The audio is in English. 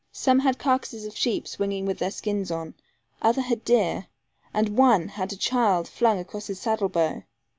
Some had carcasses of sheep swinging with their skins on, others had deer, and one had a child flung across his saddle bow.